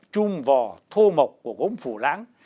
trung vò thô mộc của gốm phủ lãng